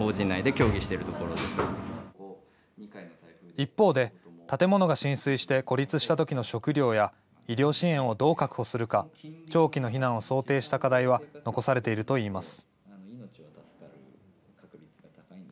一方で、建物が浸水して孤立したときの食料や医療支援をどう確保するか長期の避難を想定した課題は残されているといいます。